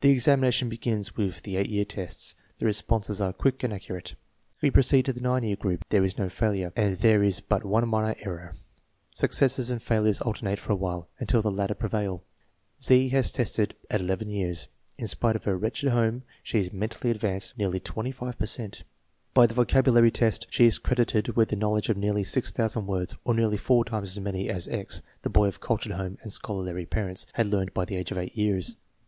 The examination begins with the 8 year tests. The responses are quick and accurate. We proceed to the 9 year group. There is no failure, and there is but one minor error. Successes and failures alternate for a while until the latter prevail. Z has tested at 11 years. In spite of her wretched home, she is mentally advanced nearly 25 per cent. By the vocabulary test she is credited with a 118 THE MEASUREMENT OF INTELLIGENCE knowledge of nearly 6000 words, or nearly four times as many as X, the boy of cultured home and scholarly parents, had learned by the age of 8 years.